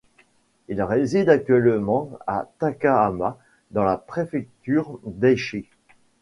Il réside actuellement à Takahama dans la préfecture d'Aichi.